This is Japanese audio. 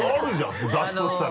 雑誌としたら。